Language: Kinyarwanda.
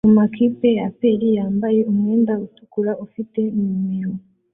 mumakipe ya APR wambaye umwenda utukura ufite numero